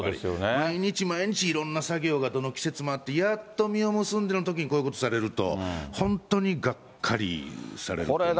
毎日毎日いろんな作業が、どの季節もあって、やっと実を結んでのときに、こういうことをされると、本当にがっかりされると思いますね。